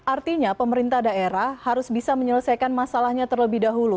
artinya pemerintah daerah harus bisa menyelesaikan masalahnya terlebih dahulu